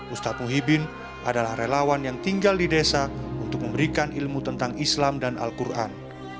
ustadz muhyibin adalah relawan yang tinggal di desa untuk memberikan ilmu tentang islam dan al quran